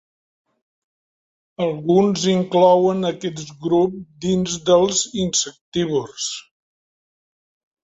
Alguns inclouen aquest grup dins dels insectívors.